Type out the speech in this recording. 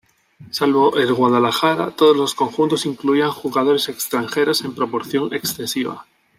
Salvo el Guadalajara, todos los conjuntos incluían jugadores extranjeros en proporción excesiva.